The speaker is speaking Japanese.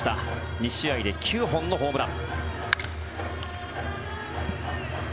２試合で９本のホームラン。